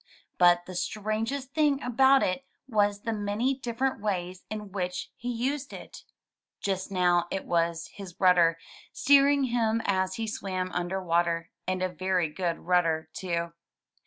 But the strangest thing about it was the many different ways in which he used it. Just now it was his rudder, steering him as he swam imder water — and a very good rudder, too.